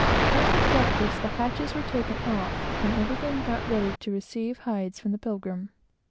After breakfast, the hatches were taken off, and all got ready to receive hides from the Pilgrim.